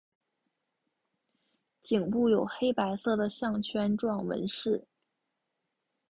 颈部有黑白色的项圈状纹饰。